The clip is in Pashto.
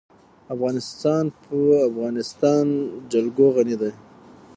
افغانستان په د افغانستان جلکو غني دی.